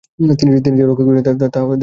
তিনি যে রক্ষে করছেন, দেখতে পাচ্ছি যে।